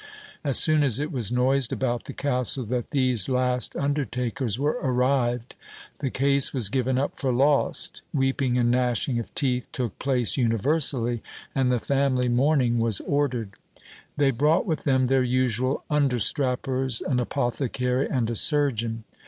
As soon as it was noised about the castle that these last under takers were arrived, the case was given up for lost ; weeping and gnashing of teeth took place universally, and the family mourning was ordered. They brought with them their usual understrappers, an apothecary and a surgeon.